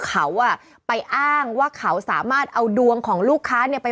เขาไปอ้างว่าเขาสามารถเอาดวงของลูกค้า